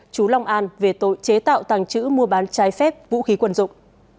chú long an về tội chế tạo tàng trữ mua bán trái phép vũ khí quần dụng